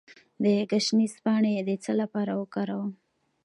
د ګشنیز پاڼې د څه لپاره وکاروم؟